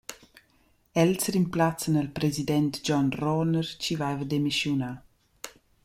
Els rimplazzan al president Gion Roner chi vaiva demischiunà.